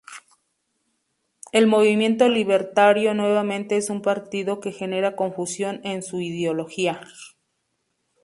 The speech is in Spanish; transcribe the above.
El Movimiento Libertario nuevamente es un partido que genera confusión en su ideología.